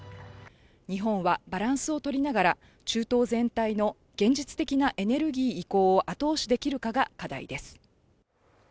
日本はバランスを取りながら、中東全体の現実的なエネルギー移行を後押しできるかが課題です。